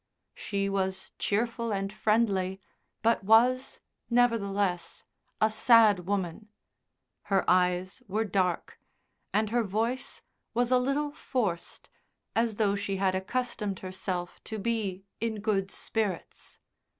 She was cheerful and friendly, but was, nevertheless, a sad woman; her eyes were dark and her voice was a little forced as though she had accustomed herself to be in good spirits.